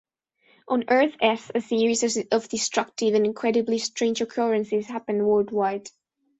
On Earth-S, a series of destructive and incredibly strange occurrences happen worldwide.